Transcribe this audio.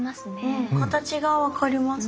形が分かります。